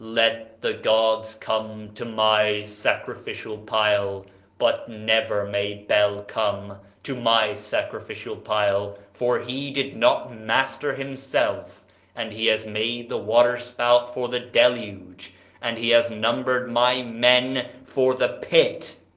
"Let the gods come to my sacrificial pile! but never may Bel come to my sacrificial pile! for he did not master himself, and he has made the water spout for the Deluge, and he has numbered my men for the pit."